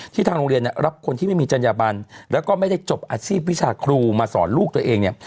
ทางโรงเรียนรับคนที่ไม่มีจัญญบันแล้วก็ไม่ได้จบอาชีพวิชาครูมาสอนลูกตัวเองเนี่ย